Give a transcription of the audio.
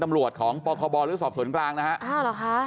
ตำรวจของปคบหรือสสกนะฮะ